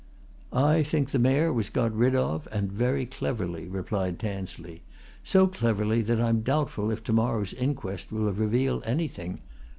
"I think the Mayor was got rid of and very cleverly," replied Tansley. "So cleverly that I'm doubtful if to morrow's inquest will reveal anything.